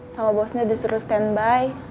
sama bosnya disuruh standby